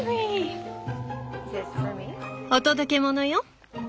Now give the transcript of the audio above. お届け物よ。